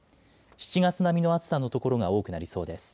７月並みの暑さの所が多くなりそうです。